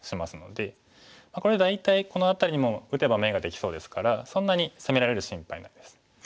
これで大体この辺りにも打てば眼ができそうですからそんなに攻められる心配はないです。